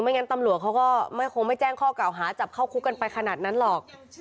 งั้นตำรวจเขาก็ไม่คงไม่แจ้งข้อเก่าหาจับเข้าคุกกันไปขนาดนั้นหรอก